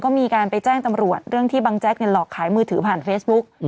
ก็มีการไปแจ้งตำรวจเรื่องที่บังแจ๊กหลอกขายมือถือผ่านเฟซบุ๊ก